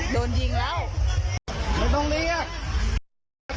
โดนยิงแล้ว